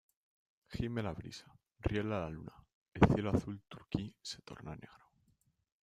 gime la brisa, riela la luna , el cielo azul turquí se torna negro ,